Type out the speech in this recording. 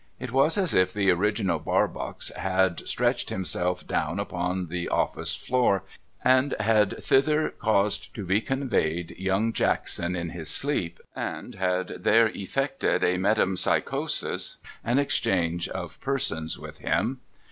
It was as if the original Barbox had stretched himself down upon the office floor, and had thither caused to be conveyed Young Jackson in his sleep, and had there effected a metempsychosis and exchange of persons with him.